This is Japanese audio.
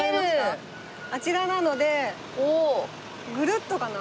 あちらなのでぐるっとかな？